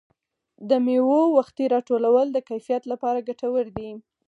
د مېوو وختي راټولول د کیفیت لپاره ګټور دي.